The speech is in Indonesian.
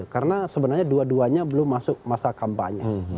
karena sebenarnya dua duanya belum masuk masa kampanye